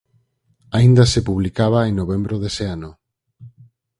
Aínda se publicaba en novembro dese ano.